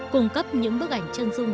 cung cấp những bức ảnh chân dung